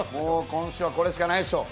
今週はこれしかないでしょう。